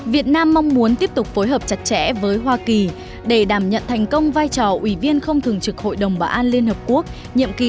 việt nam mong muốn tiếp tục phối hợp chặt chẽ với hoa kỳ để đảm nhận thành công vai trò ủy viên không thường trực hội đồng bảo an liên hợp quốc nhiệm kỳ hai nghìn hai mươi hai nghìn hai mươi một